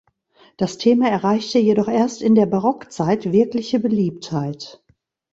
Das Thema erreichte jedoch erst in der Barockzeit wirkliche Beliebtheit.